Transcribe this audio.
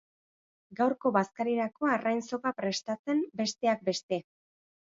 Gaurko bazkarirako arrain zopa prestatzen, besteak beste.